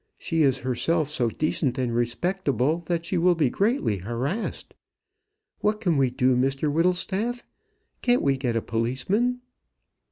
She is herself so decent and respectable, that she will be greatly harassed. What can we do, Mr Whittlestaff? Can't we get a policeman?"